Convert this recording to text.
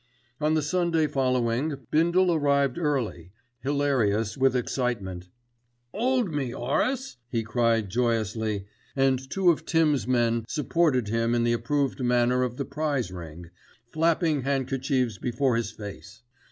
On the Sunday following Bindle arrived early, hilarious with excitement. "'Old me, 'Orace," he cried joyously, and two of "Tims'" men supported him in the approved manner of the prize ring, flapping handkerchiefs before his face.